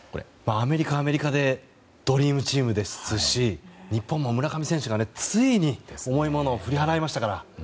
アメリカはアメリカでドリームチームですし日本も、村上選手がついに重いものを振り払いましたから。